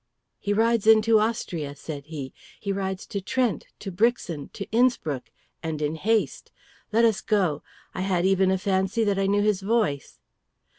"He rides into Austria!" said he. "He rides to Trent, to Brixen, to Innspruck! And in haste. Let us go! I had even a fancy that I knew his voice."